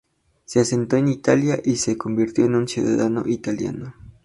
Se asentó en Italia y se convirtió en ciudadano italiano.